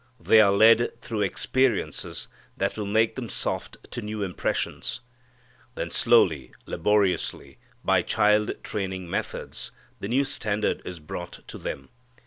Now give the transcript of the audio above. They are led through experiences that will make them soft to new impressions. Then slowly, laboriously, by child training methods, the new standard is brought to them.